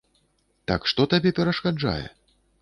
Так што табе перашкаджае?